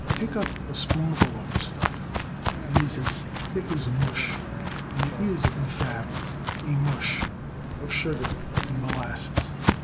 Take up a spoonful of the stuff. It is as thick as mush, and it is in fact a mush of sugar and molasses.